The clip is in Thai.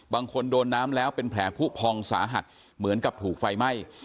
บางคนโดนน้ำแล้วเป็นแผลผู้พองสาหัสเหมือนกับถูกไฟไหม้